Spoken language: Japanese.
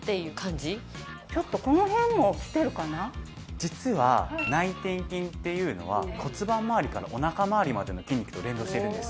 実は内転筋っていうのは骨盤まわりからお腹まわりまでの筋肉と連動してるんです。